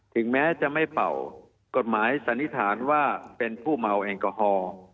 ถึงแม้จะไม่เป่ากฎหมายสันนิษฐานว่าเป็นผู้เมาแอลกอฮอล์